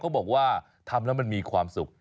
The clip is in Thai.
บอกว่าทำแล้วมันมีความสุข